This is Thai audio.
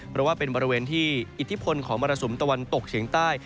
เพราะว่าเป็นบริเวณที่อิทธิพลของมรสุมตะวันตกเฉียงใต้